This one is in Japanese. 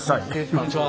こんにちは。